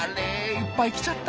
いっぱい来ちゃった。